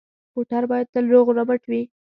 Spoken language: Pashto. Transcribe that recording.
موټر باید تل روغ رمټ وي.